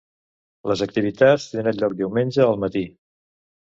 Les activitats tindran lloc diumenge al matí.